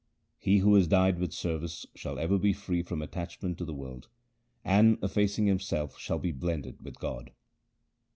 He who is dyed with service shall ever be free from attach ment to the world, and, effacing himself, shall be blended with God.